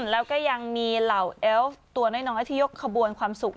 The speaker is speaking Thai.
แล้วก็ยังมีเหล่าเอวตัวน้อยที่ยกขบวนความสุข